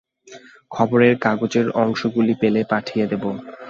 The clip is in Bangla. খবরের কাগজের অংশগুলি পেলে পাঠিয়ে দেব।